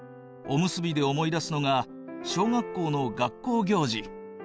おむすびで思い出すのが小学校の学校行事。